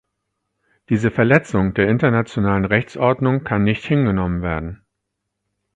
Diese Verletzung der internationalen Rechtsordnung kann nicht hingenommen werden.